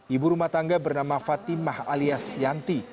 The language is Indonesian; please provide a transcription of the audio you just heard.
ibu rumah tangga bernama fatimah alias yanti